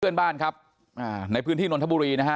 เพื่อนบ้านครับในพื้นที่นนทบุรีนะฮะ